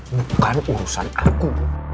bukan urusan aku